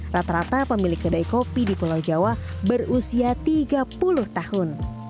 rata rata pemilik kedai kopi di pulau jawa berusia tiga puluh tahun